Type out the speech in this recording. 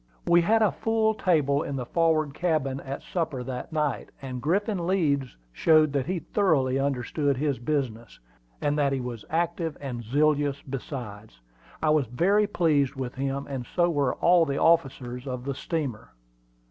We had a full table in the forward cabin at supper that night, and Griffin Leeds showed that he thoroughly understood his business, and that he was active and zealous besides. I was very well pleased with him, and so were all the other officers of the steamer.